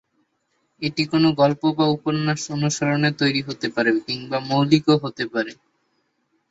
এটি কোন গল্প বা উপন্যাস অনুসরণে তৈরি হতে পারে, কিংবা মৌলিক-ও হতে পারে।